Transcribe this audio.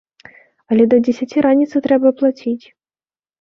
Але да дзесяці раніцы трэба аплаціць!